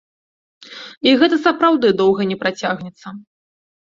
І гэта сапраўды доўга не працягнецца.